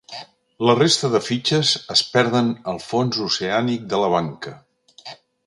La resta de fitxes es perden al fons oceànic de la banca.